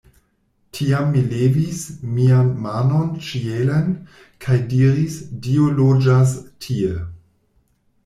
Tiam mi levis mian manon ĉielen, kaj diris, Dio loĝas tie.